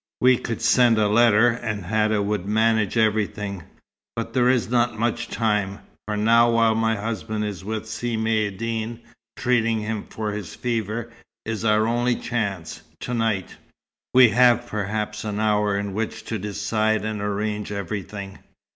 We could send a letter, and Hadda would manage everything. But there is not much time, for now while my husband is with Si Maïeddine, treating him for his fever, is our only chance, to night. We have perhaps an hour in which to decide and arrange everything.